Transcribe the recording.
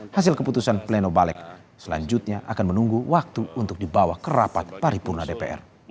hasil keputusan pleno balik selanjutnya akan menunggu waktu untuk dibawa ke rapat paripurna dpr